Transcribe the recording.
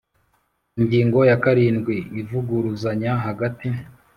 Ingingo ya karindwi Ivuguruzanya hagati